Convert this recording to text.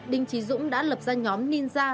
đinh trí dũng đã lập ra nhóm ninja